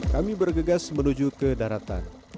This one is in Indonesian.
kami bergegas menuju ke daratan